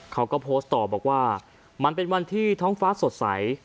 เขาก็โพสต์ต่อบอกว่ามันเป็นวันที่ท้องฟ้าสดใส